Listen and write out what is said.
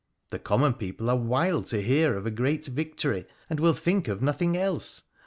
The common people are wild to hear of a great victory, and will think of nothing else.